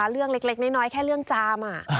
มันก็เล็กน้อยแค่เรื่องจาม